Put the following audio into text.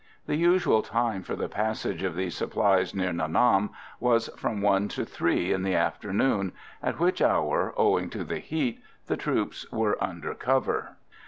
The usual time for the passage of these supplies near Nha Nam was from one to three in the afternoon, at which hour, owing to the heat, the troops were under cover.